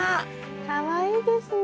かわいいですね。